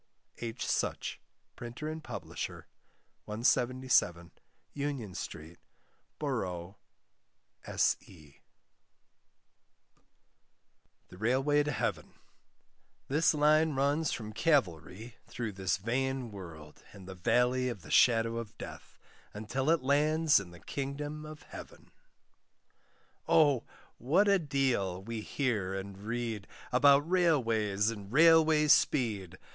H. Such, Printer and Publisher, 177, Union Street, Boro' S.E. THE RAILWAY TO HEAVEN. This Line runs from Calvary through this vain world and the Valley of the Shadow of Death, until it lands in the Kingdom of Heaven. Oh! what a deal we hear and read, About Railways and Railway speed!